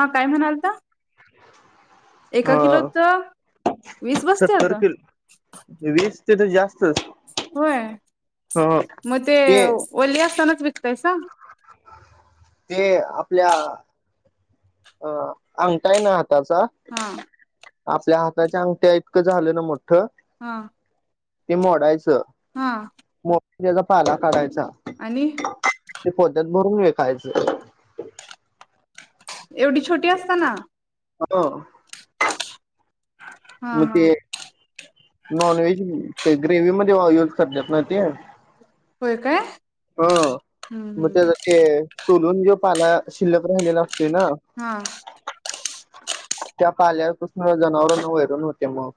हा काय म्हणालता, एका अ किलोच वीस बसत्यात तिथे जास होय, मग ते वली असताना. विकतायसा. ते आपल्या अ अंगटा हाय ना हा हाताचा. हा आपल्या हाताच्या अंगठ्या, इतकं झालं ना मोठं. हा! ते मोडायचं. हा! मोडून त्याचा पाला काढायचा. आणि ते पोत्यात भरून विकायचं. एवढी छोटी असताना. हो. हा म हा ते नॉनव्हेज ते ग्रेवमध्ये युज करत्यात. ना ते होय काय ह हम्म मग हम्म त्याचं ते सोलून घेऊ पाला शिल्लक राहिलेला. असतोय ना हा त्या पाल्याबसंन जनावरना वैरून होते. मग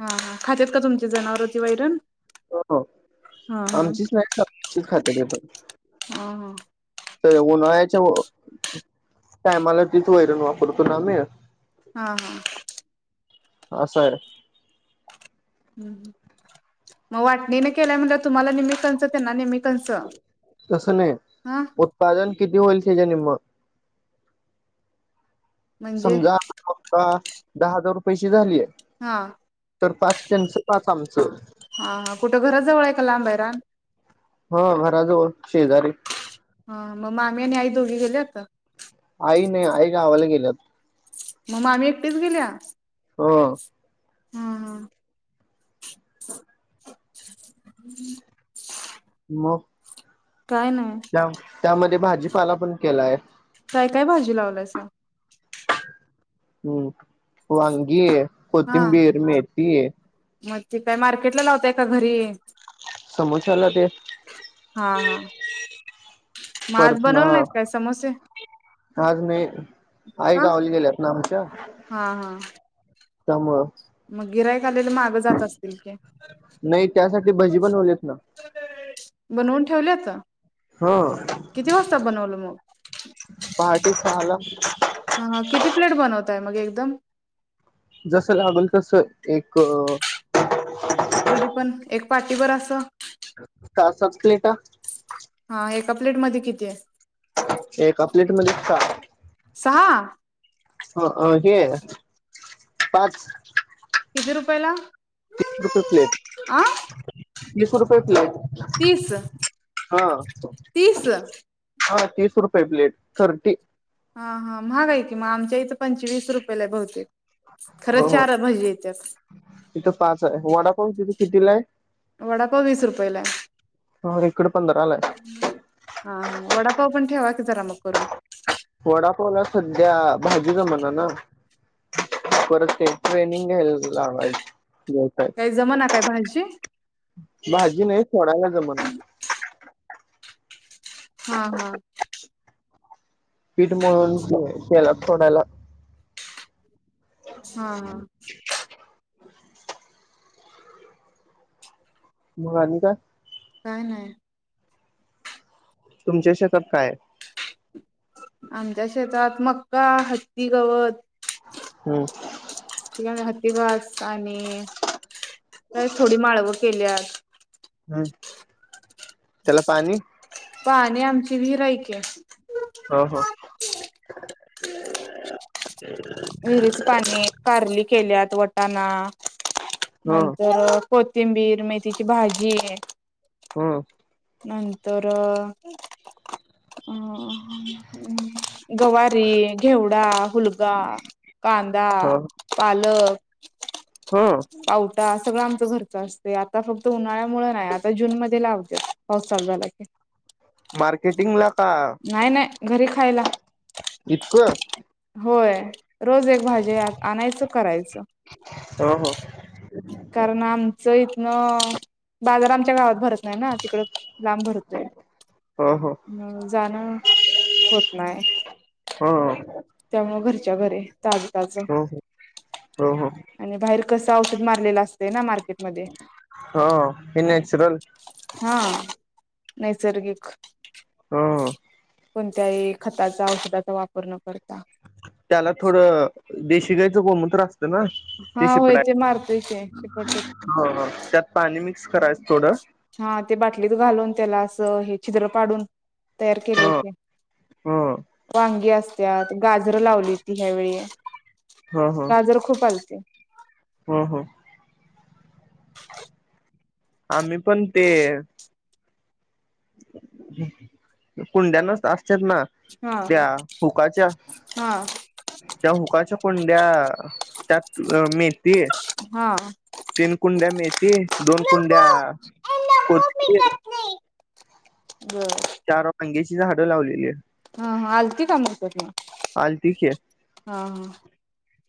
हा हा खात्यात, का तुमची जनावरं ती वैरण, हो, हा हा आमचीच नाही [inaudible] खात [inaudible] हा हा. तर उन्हाळ्याच्या टायमाला तिथचं वैरण वापरतो. ना आम्ही, हा हा.. असये ह्म्म ह्म्म मग वाटणी न केल्या म्हणलं! तुम्हाला निम्म त्यांना निम्म कंच! तसं नाही! हा उत्पादन किती होईल? निम्म! म्हणजे समजा दहा हजार रुपयेशी झालीये! हा.. तर पाच त्यांचं! पास आमचं! हा कुठे घरा जवळ आहे का लांब आहे रान? हा घराजवळ शेजारी! हा म मामी आणि आई दोघी गेल्या का? काही नाही! आई गावाला गेल्यात! म मामी एकटेच गेल्या? हो.. हाहा म काय नाय. त्या त्यामध्ये भाजीपाला पण केलाय. काय काय भाजी लावलाय सा? हम्म वांगीये हा कोथिंबीर, मेथी ये मग ते काय मार्केटला लावताय का घरी? समोस्याला ते हा हा मग आज परत ना! बनवलं नाहीत काय समोसे आज नाही! आई का गावाला गेल्यात ना आमच्या! हा सम म गिर्‍हाईक गिऱ्हाईक आलेल माग जात असतील ते? नाही त्यासाठी भजी बनवलेत ना बनवून ठेवल्याता? हा किती वाजता बनवलं मगं? पहाटे [unintelligible] हा किती प्लेट बनवतांय मग एकदम? जस लागल तसं एक तरी पण एक पाटी भर अस? [unintelligible] सहा सात प्लेटा! एक प्लेट मध्ये किती आसतात? एका प्लेट मध्ये सहा! सहा हे पाच! किती रुपयला? तीस रुपये प्लेट तीस रुपये प्लेट तीस तीस हा हा तीस रुपये प्लेट थर्टी हा हा महाग हाय की मग आमच्या इथं पंचवीस रुपयेला बहुते हो हो इथं पाच हाय वडापाव तिथ कितीला आहे. वडापाव वीस रुपयला हा इकडे पंधराला आहे हाय. तो पण ठेवा की जरा मग करून वडापावला सध्या भाजी जमना ना परतते. ट्रेनिंग घ्यायला लावायच देवसाय काही जमना काय भाजी? भाजी नाही सोडायला जमना. हा हा. पीठ मळून तेलात सोडायला हा हा. मग आणि काय? काय नाही? तुमचे शेतात काय हाय. आमच्या शेतात मक्का, हत्ती गवत हम्म. हातीभास आणि काय थोडी माळव केल्यात. हम्म. त्याला पाणी. पाणी आमची विहिर आहे की. ह ह व्हिरीच पाणी कारली केल्यात. वटाणा ह नंतर कोथिंबीर मेथीची भाजी आहे हम नंतर अ गवारी घेवडा हलगा कांदा पालक हा हा सगळं आमच घरच असतय आता फक्त उन्हाळ्यामुळे नाही आता जून मध्ये लावत्यात. पा सल झालाक मार्केटिंग ला का नाही नाही घरी खायला इतकं होय. रोज एक भाजी आणायचं करायचं ह कारण आमचं इ न बाजार आमच्या गावात भर नाही ना तिकड लांब भरतोय ह ह ह होत नाही ह ह त्यामुळे घरच्या घर ताजकाच ह हो हो आणि बाहेर कसं औषध मारलेला असते ना म हा इ नॅचुरल हा नैसर्गिक हम कोणत्याही खताचा औषधाचा वापर न करत त्याला थोडं देशशी गायचं कोणमणंत्र अस ना ती हा होय शिपडाय ते मारतोय ते शिपट त्यात पाणी मी कराचं हा ते बाकी लीत घालून त्याला असं हे छद्र पाडून तयार केले ह ह वांगी अस त्यात गाजरं लावली तती ह्यावेेळी ह ह गाजर खूप चालते ह ह आम्ही पण ते कुंड्यानच असत ना हा त्या हुकाच्या हा त्या हुकाच्या कोंड्या त्यात अ मीन त हा तीन कुंड्या मेती दोन कुंड्या कोथती बम चार वांगेची झाडं लावलेली आहे हा हा हलती काम करत हलतीचे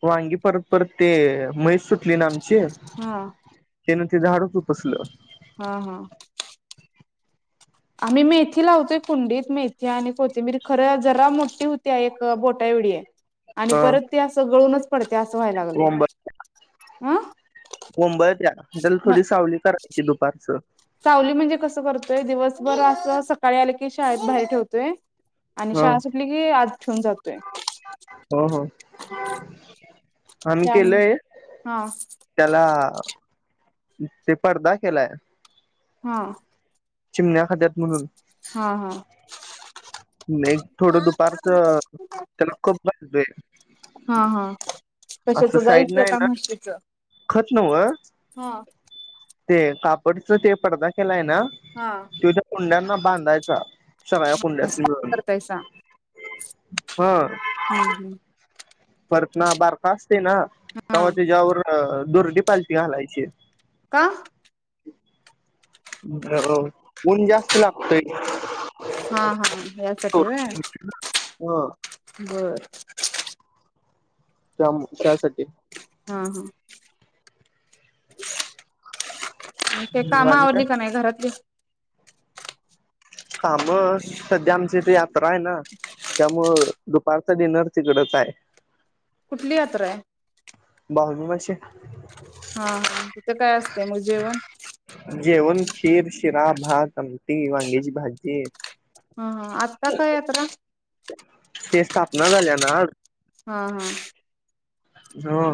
वांगी परत परत ते मैच सुटली ना आम हा त्यान ते झाडच उपसलं हा हा आम्ही मेथी लावतोय कुंडीत मेथी आणि कोथबीरी खरं जरा मोठी होती एक बोटा एवढी आहे आणि ह परत ते सगळूनच ते अस व्हायला लागले आं मुंबईत या तर थोडी सावली करायची दुपारचं सावली म्हणजे कसं करतोय, दिवसभर असं सकाळी आलं की शाळेत बाहेर ठेवतोय. आणि ह शाळा सुटली की आज ठेऊून जातोय. हो हो आम्ही त्यामु केलोय हा त्याला ते पर्दा केलाय हा चिमण्याखात्यात म्हणून हा हा एक थोडं दुपारचं त्याला खूप बसतोय, हा हा कशाच असं साईड गाईचं नाही का ना म्हशीचं? खत नव्ह हा ते कापडच ते पडदा केलाय हा तुझ्या कुंड्या बांधायचा चाव्या कुंड्यात असतील असं बघ करतायसा हम्म हम्म बघ [unintelligible] ते ना तवा हा त्याच्यावर अ दुर्टी पालथी घालायची का? हो हो ऊन जास्त लागतयं. हा हा [unintelligible] व्हय बरं [inaudible] [unintelligible] च्यासाठी हा ते मग काम आणि काय आवरली का नाही घरातली? काम? सध्या आमच्या इथे यात्रा आहे ना, त्यामुळं दुपारचं डिनर तिकडचं हाय. कुठली यात्रा आहे? [unintelligible] मासे हा, तिथं काय असते मग जेवण? जेवण खीर, शिरा, भाात आमटी, वांग्याची भाजी. हा हा, आज कसा यात्रा? ना झाल्या ना आज? हा हा. हो.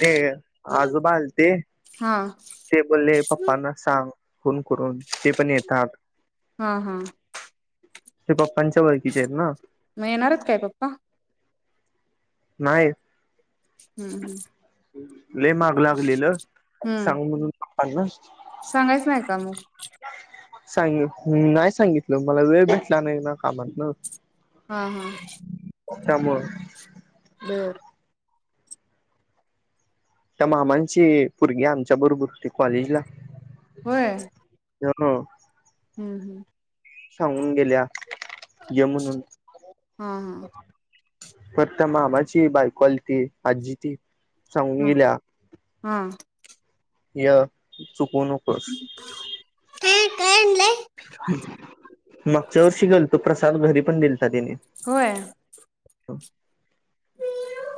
ते -आजोबा आलते हा ते बोलले पप्पांना सांग. कोण- करून ते पण येतात. हा हा ते पप्पांच्या ओळखीचे आहेत ना. म येणार आहेत काय पप्पा? नाही. हम हम. लै माग लागलेलं हम्म सांग म्हणून. अ [unintelligible] सांगायच नाही का म? सांग -नाही सांगितलं मला वेळ भेटला नाही ना कामात न. हा हा. त्यामुळे- बर. त्या मामांची -पोरगी आमच्या बरोबर होती कॉलेजला. होय. हो [unintelligible] हम्म हम्म. सांगून गेल्या. हा ये म्हणून हा. फक्त मामाची बायको आली होती. आज्जी ती सांगून हा -हा. या- ते हम्म. मागच्या वर्षी गेलतो प्रसाद घरी पण दिल्ता तेनी. होय.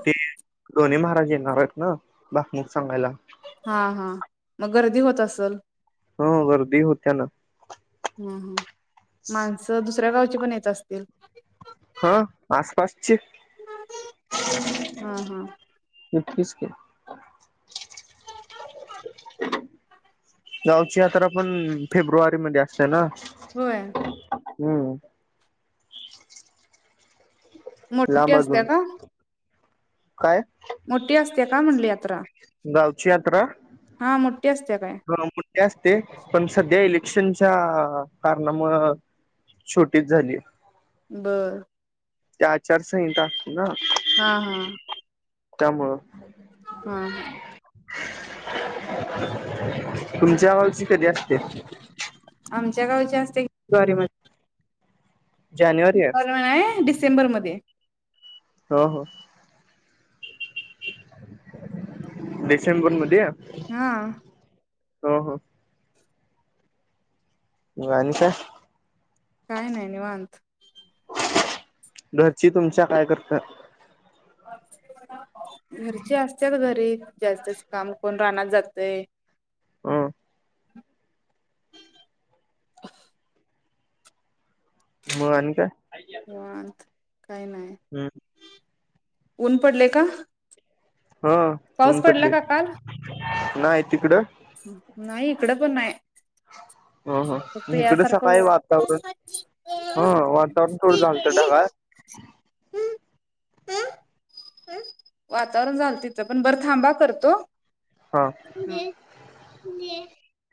ते ढोणे महाराज येणार आहेत ना. बाकी हा हा मग गर्दी होत तसल. हो गर्दी होत्या ना. हम हम. माणसं दुस दुसऱ्यागावची पण येत असतील. हा आसपास ची हा हा इतकीच की. गावची यात्रा पण फेब्रुवारी मध्ये असते ना. होय. हम्म. मोठ्ठी लांब असत्या अजून का? काय? मोठी असते का म्हणली यात्र? गावची यात्रा. मोठी असत्या काय जरा मोठी असते पण सध्या इले क्शन च्या कारणामुळं छोटीच झाली. बर. ते आचारसंहिता असते ना. हा हा. त्यामुळं. हम. [unintelligible] तुमच्या गावची कधी असत्या? आमच्या गावची असत्या की फेब्रुवारीमध्ये. जानेवारी आहे [unintelligible] डिस सेंबरमध्ये. हो हो. डिसेंबरमध्ये का? हा. ह ह. मग आणि काय? काय नाही निवांत. घरची तुमच्या काय करत्यात? अ [unintelligible] घरची असत्यात घरी. जास्तचं काम करून रानात जातयं हा. ह [unintelligible] मगं आणि काय. काही नाही. हम्म ऊन पडले का. हा पाऊस पडला का काल. नाहीय तिकडं. नाही इकडं पण नाही. ह हा फक्त इकडं यासारख व सकाळी वातावरण हा वातावरण थोडं झालतं ढगाळ वातावरण झालतं तिथं पण बरं थांबा करतो. हा. न [unintelligible]